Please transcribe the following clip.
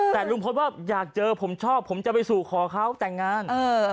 แต่ลุงพลว่าอยากเจอผมชอบผมจะไปสู่ขอเขาแต่งงาน